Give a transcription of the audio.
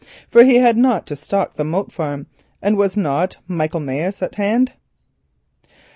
For had he not to stock the Moat Farm, and was not Michaelmas at hand?